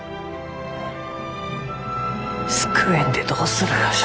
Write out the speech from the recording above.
救えんでどうするがじゃ？